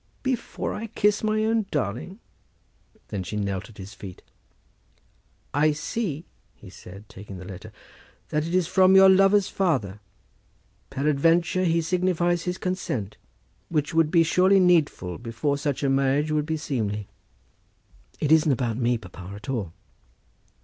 "Before I kiss my own darling?" Then she knelt at his feet. "I see," he said, taking the letter; "it is from your lover's father. Peradventure he signifies his consent, which would be surely needful before such a marriage would be seemly." [Illustration: "Peradventure he signifies his Consent."] "It isn't about me, papa, at all."